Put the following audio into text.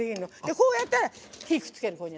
こうやったら火をつける。